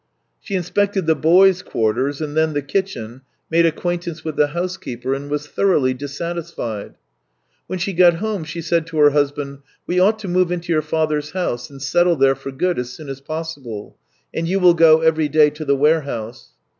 She inspected the boys' quarters, and then the kitchen, made acquaintance with the housekeeper, and was thoroughly dissatisfied. When she got home she said to her husband: " We ought to move into your father's house and settle there for good as soon as possible. And you \\ill go every day to the warehouse."